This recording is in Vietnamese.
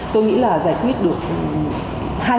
tôi nghĩ là giải quyết được